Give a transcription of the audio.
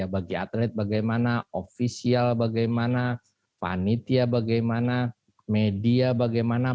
bagi atlet bagaimana ofisial bagaimana panitia bagaimana media bagaimana